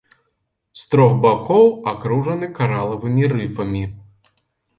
З трох бакоў акружаны каралавымі рыфамі.